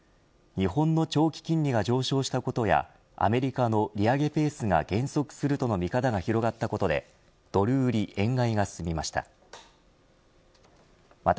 日本の長期金利が上昇したことやアメリカの利上げペースが減速するとの見方が広がったことでドル売り円買いが進みました。